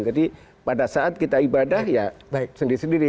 jadi pada saat kita ibadah ya sendiri sendiri